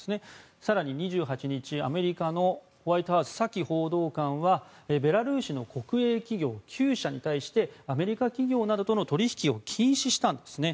更に、２８日アメリカのホワイトハウスサキ報道官はベラルーシの国営企業９社に対してアメリカ企業などとの取引を禁止したんですね。